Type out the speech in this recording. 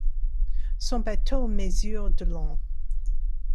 Son bateau mesure de long.